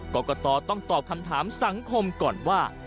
กรกตต้องตอบคำถามสังคมก่อนว่า